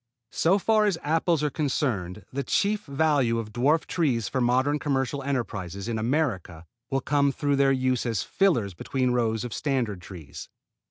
So far as apples are concerned the chief value of dwarf trees for modern commercial enterprises in America will come through their use as fillers between rows of standard trees.